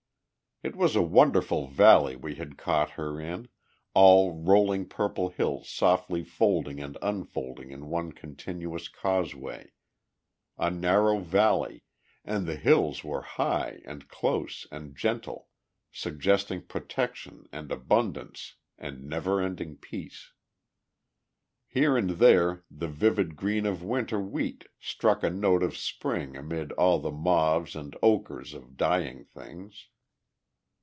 It was a wonderful valley we had caught her in, all rolling purple hills softly folding and unfolding in one continuous causeway; a narrow valley, and the hills were high and close and gentle, suggesting protection and abundance and never ending peace. Here and there the vivid green of Winter wheat struck a note of Spring amid all the mauves and ochres of dying things.